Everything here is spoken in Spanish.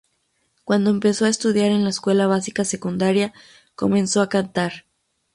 Cuando empezó a estudiar en la escuela básica secundaria comenzó a cantar.